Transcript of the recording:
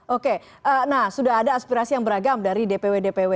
oke nah sudah ada aspirasi yang beragam dari dpw dpw